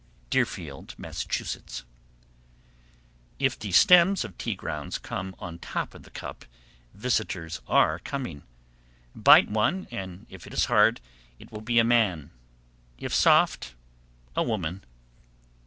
Deerfield, Mass. 773. If the stems of tea grounds come on top of the cup, visitors are coming. Bite one, and if it is hard, it will be a man; if soft, a woman.